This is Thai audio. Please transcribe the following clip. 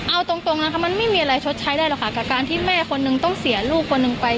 เอาตรงนะคะมันไม่มีอะไรชดใช้ได้หรอกค่ะกับการที่แม่คนหนึ่งต้องเสียลูกคนหนึ่งไป